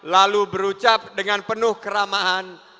lalu berucap dengan penuh keramahan